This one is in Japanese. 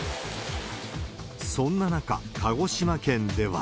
そんな中、鹿児島県では。